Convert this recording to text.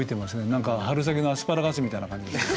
何か春先のアスパラガスみたいな感じで。